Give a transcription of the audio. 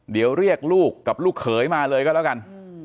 เดี๋ยวเรียกลูกกับลูกเขยมาเลยก็แล้วกัน